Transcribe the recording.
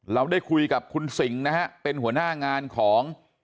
เราได้คุยกับคุณสิงห์นะฮะเป็นหัวหน้างานของ